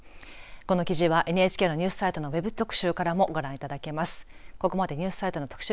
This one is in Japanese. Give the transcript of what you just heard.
この記事はＮＨＫのニュースサイトのＷＥＢ特集からもご覧になれます。